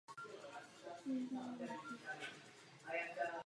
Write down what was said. Dům byl kamenný dvoupatrový palác.